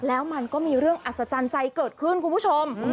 แล้วมันก็มีเรื่องอัศจรรย์ใจเกิดขึ้นคุณผู้ชม